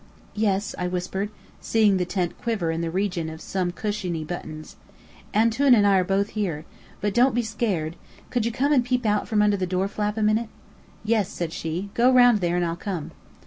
"Yes," I whispered, seeing the tent quiver in the region of some big cushiony buttons. "'Antoun' and I are both here. But don't be scared. Could you come and peep out from under the door flap a minute?" "Yes," said she. "Go round there, and I'll come."